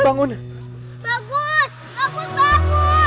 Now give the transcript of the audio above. bagus ini ibu bagus